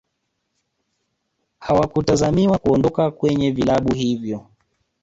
hawakutazamiwa kuondoka kwenye vilabu hivyo